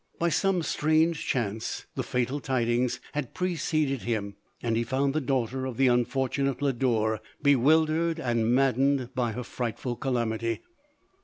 By some strange chance, the fatal tidings had preceded him, and lie found the daughter of the unfor tunate Lodore bewildered and maddened by her frightful calamity.